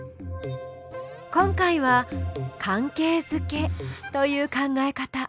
今回は「関係づけ」という考え方。